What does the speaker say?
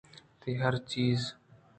تئی ہر چیز